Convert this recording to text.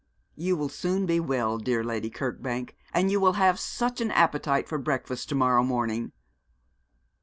'You will soon be well, dear Lady Kirkbank; and you will have such an appetite for breakfast to morrow morning.'